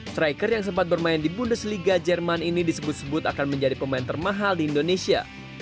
striker yang sempat bermain di bundesliga jerman ini disebut sebut akan menjadi pemain termahal di indonesia